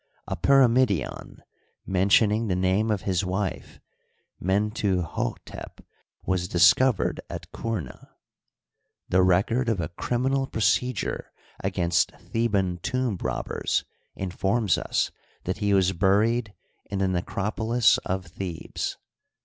A pyramidion, mentioning the name of his wife Mentuhdtep, was discovered at Qumah. The record of a criminal procedure against Theban tomb rob bers informs us that he was buried in the Necropolis of Thebes.